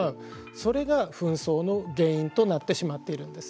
それが紛争の原因となってしまっているんです。